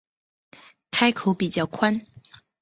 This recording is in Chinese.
开口比较宽